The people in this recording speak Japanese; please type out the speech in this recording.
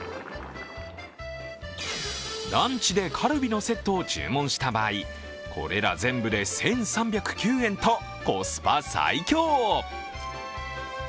ランチでカルビのセットを注文した場合、これら全部で１３０９円とコスパ最強。